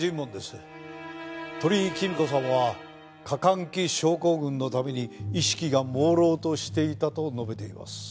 鳥居貴美子さんは過換気症候群のために意識が朦朧としていたと述べています。